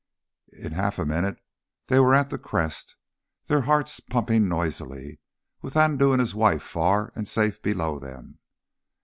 In half a minute they were at the crest, their hearts pumping noisily, with Andoo and his wife far and safe below them.